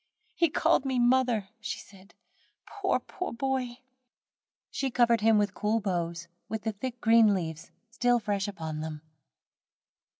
"He called me mother," she said, "poor boy, poor boy." She covered him over with cool boughs, with the thick green leaves still fresh upon them.